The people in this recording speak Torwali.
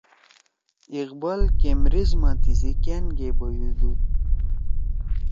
اقبال کیمبرج ما تیِسی کأن گے بیُودُود